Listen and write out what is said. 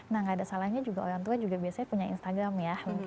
nah gak ada salahnya juga orang tua juga biasanya punya instagram ya